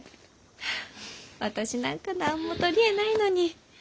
はあ私なんか何も取り柄ないのに。